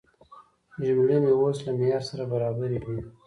جملې مې اوس له معیار سره برابرې دي.